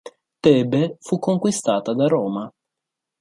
Tebe fu conquistata da Roma.